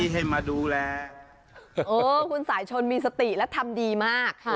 หูยคุณสายชนมีสติและทำดีมาก